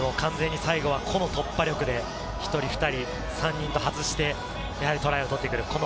個の突破力で１人、２人、３人と外して、トライを取ってくる。